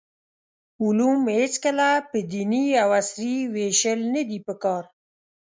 علوم هېڅکله په دیني او عصري ویشل ندي پکار.